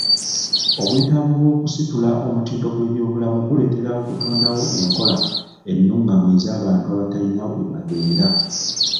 Obwetaavu bw'okusitula omutindo gw'ebyobulamu guleetera okutondawo enkola ennungamu ez'abantu abatayina we babeera.